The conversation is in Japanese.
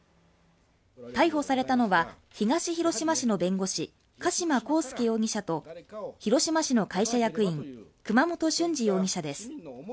逮捕されたのは、東広島市の弁護士、加島康介容疑者と広島市の会社役員、熊本俊二容疑者です。